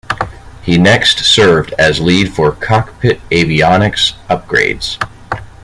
He next served as lead for cockpit avionics upgrades.